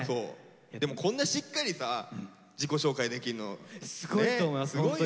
でもこんなしっかりさ自己紹介できるのすごいよね。